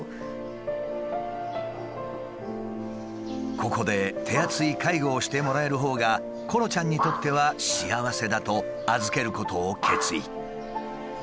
ここで手厚い介護をしてもらえるほうがコロちゃんにとっては幸せだと預けることを決意。